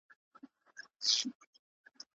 هغه نجلۍ چي هلته کار کوي ډېره باتدبیره ده.